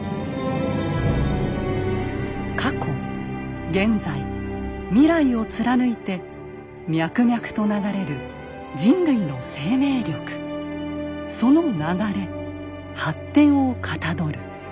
「過去現在未来を貫いて脈々と流れる人類の生命力その流れ発展を象る」。